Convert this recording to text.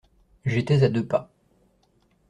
J'étais à deux pas.